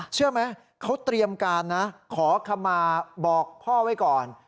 เชื่อไหมเขาเตรียมการนะขอคำมาบอกพ่อไว้ก่อน